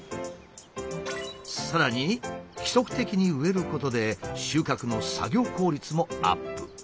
さらに規則的に植えることで収穫の作業効率もアップ。